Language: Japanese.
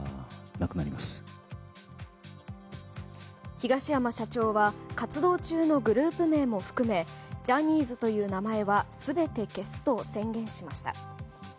東山社長は活動中のグループ名も含めジャニーズという名前は全て消すと宣言しました。